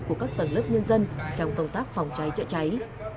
của các tầng lớp nhân dân trong công tác phòng cháy chữa cháy